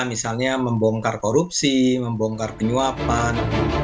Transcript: misalnya membongkar korupsi membongkar penyuapan